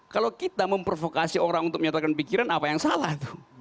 kalau kita memprovokasi orang untuk menyatakan pikiran apa yang salah